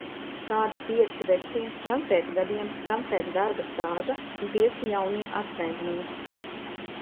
"Kādi pieci vecie, gan pēc gadiem, gan pēc darba stāža un pieci "jaunie" atslēdznieki."